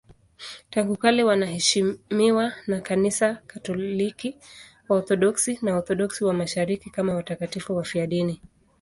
Tangu kale wanaheshimiwa na Kanisa Katoliki, Waorthodoksi na Waorthodoksi wa Mashariki kama watakatifu wafiadini.